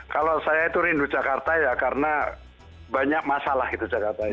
kalau saya itu rindu jakarta ya karena banyak masalah gitu jakarta ini